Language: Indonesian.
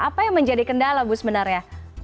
apa yang menjadi kendala bu sebenarnya